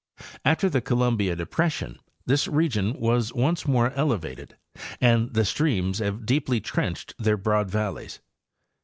After the Columbia depression this region was once more elevated and the streams have deeply trenched their broad valleys.